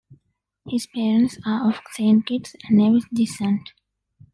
His parents are of Saint Kitts and Nevis descent.